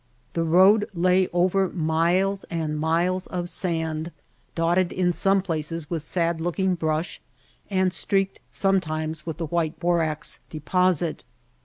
The road lay over miles and miles of sand, dotted in some places with sad looking brush and streaked sometimes with the white borax deposit.